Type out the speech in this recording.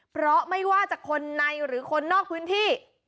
เพราะไม่ว่าจะคนในหรือคนนอกพื้นที่